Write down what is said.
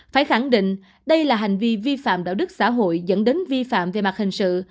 phải khẳng định đây là hành vi vi phạm đạo đức xã hội dẫn đến vi phạm về mặt hình sự